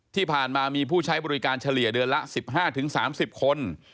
ที่ผ่านมามีผู้ใช้บริการเฉลี่ยเดือนละ๑๕๓๐คน